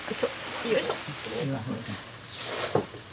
よいしょ。